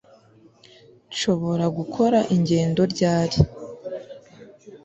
Nshobora gukora ingendo ryari